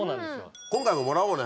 今回ももらおうね。